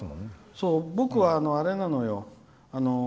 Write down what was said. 僕は、あれなのよ。